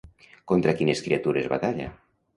Contra quines criatures batalla?